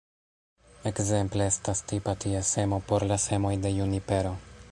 Ekzemple estas tipa ties emo por la semoj de junipero.